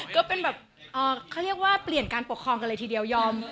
ก็เป็นแบบเขาเรียกว่าเปลี่ยนการปกครองกันเลยทีเดียวยอม